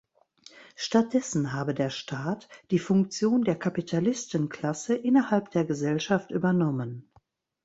Stattdessen habe der Staat die Funktion der Kapitalistenklasse innerhalb der Gesellschaft übernommen.